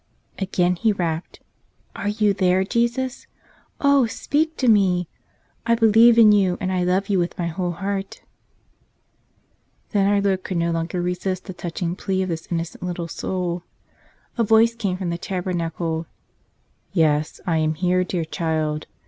Again he rapped. "Are You there, Jesus? Oh, speak to me! I believe in You and I love You with my whole heart!" 110 The Friend Who is With Us Always Then Our Lord could no longer resist the touch¬ ing plea of this innocent little soul. A voice came from the tabernacle, "Yes; I am here, dear child.